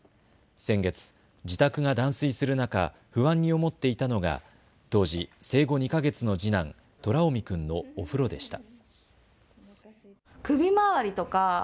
先月、自宅が断水する中、不安に思っていたのが当時、生後２か月の次男、虎臣君のお風呂でした。